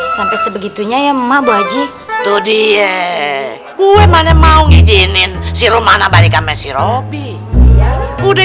sampai sebegitunya ya mama bu haji tuh dia gue mana mau ngijinin sirumana balikan mesir oby udah